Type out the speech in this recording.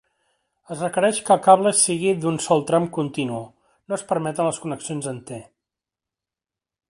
Es requereix que el cable sigui d'un sol tram continu; no es permeten les connexions en T.